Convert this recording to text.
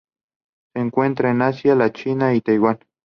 Se encuentran en Asia: la China y Taiwán.